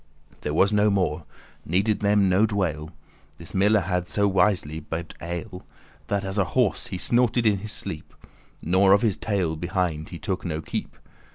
There was no more; needed them no dwale.<19> This miller had, so wisly* bibbed ale, *certainly That as a horse he snorted in his sleep, Nor of his tail behind he took no keep*.